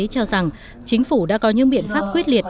cho rằng chính phủ đã có những biện pháp quyết liệt